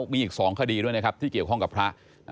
มีอีก๒คดีด้วยนะครับที่เกี่ยวข้องกับพระ